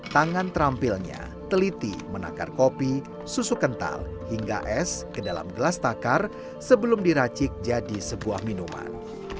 tangan terampilnya teliti menakar kopi susu kental hingga es ke dalam gelas takar sebelum diracik jadi sebuah minuman